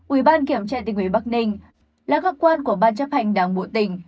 ủy ban kiểm tra tình huy bắc ninh là cơ quan của ban chấp hành đảng bộ tỉnh